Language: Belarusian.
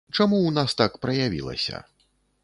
Чаму у нас так праявілася?